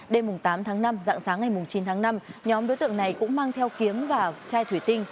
đêm tám tháng năm dạng sáng ngày chín tháng năm nhóm đối tượng này cũng mang theo kiếm và chai thủy tinh